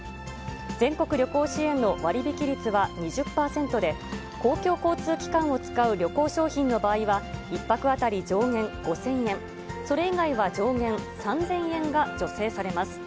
全国旅行支援の割引率は２０％で、公共交通機関を使う旅行商品の場合は、１泊当たり上限５０００円、それ以外は上限３０００円が助成されます。